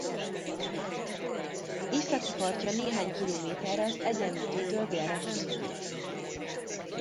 Északi partja néhány kilométerre az Egyenlítőtől délre húzódik.